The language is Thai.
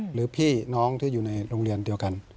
หรือพี่น้องที่อยู่ในโรงเรียนเดียวกัน